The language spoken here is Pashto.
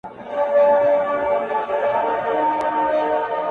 مه کوه گمان د ليوني گلي ـ